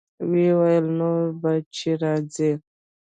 ويې ويل نور به چې راځې.